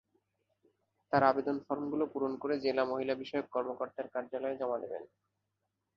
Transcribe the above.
তাঁরা আবেদন ফরমগুলো পূরণ করে জেলা মহিলাবিষয়ক কর্মকর্তার কার্যালয়ে জমা দেবেন।